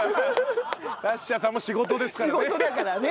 ラッシャーさんも仕事ですからね。